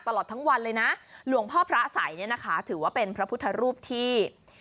ตลอดทั้งวันเลยนะหลวงพ่อพระสัยเนี่ยนะคะถือว่าเป็นพระพุทธรูปที่